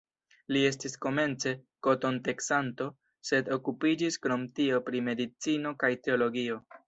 Li estis komence koton-teksanto, sed okupiĝis krom tio pri medicino kaj teologio.